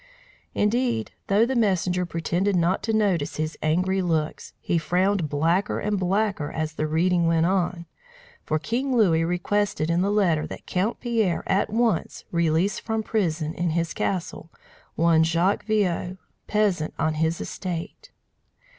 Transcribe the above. Indeed, though the messenger pretended not to notice his angry looks, he frowned blacker and blacker as the reading went on. For King Louis requested in the letter that Count Pierre at once release from prison in his castle one Jacques Viaud, peasant on his estate.